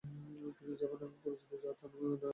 তিনি জেবার নামে পরিচিত যা তার নামের লাতিন সংস্করণ।